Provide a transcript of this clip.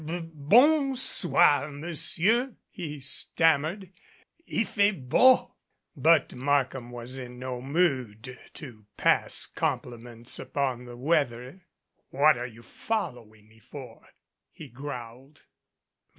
"B bon soir, Monsieur," he stammered. "ZZ fait beau " But Markham was in no mood to pass compliments upon the weather. "What are you following me for?" he growled.